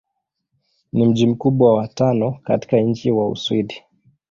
Ni mji mkubwa wa tano katika nchi wa Uswidi.